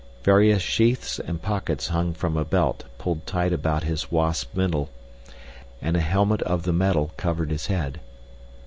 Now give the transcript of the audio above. Various sheaths and pockets hung from a belt pulled tight about his wasp middle, and a helmet of the metal covered his head.